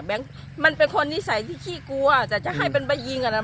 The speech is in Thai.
แบงค์มันเป็นคนนิสัยที่ขี้กลัวแต่จะให้เป็นบะยิงอ่ะน่ะ